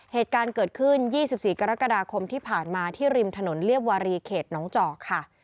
เหตุการณ์เกิดขึ้น๒๔กรกฎาคมที่ผ่านมาที่ริมถนนเรียบวารีเขตน้องจอกค่ะ